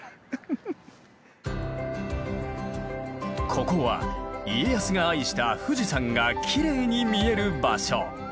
ここは家康が愛した富士山がきれいに見える場所。